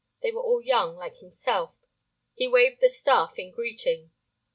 They were all young, like himself. He waved the staff in greeting.